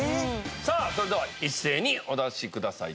さあそれでは一斉にお出しください。